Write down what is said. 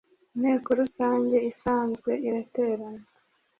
inteko rusange isanzwe iraterana.